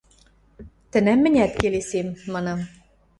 – Тӹнӓм мӹнят келесем, – манам.